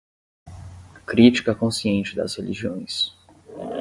crítica consciente das religiões